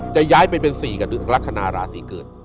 จะย้ายไปเป็น๔กับลักษณะราศีเกิด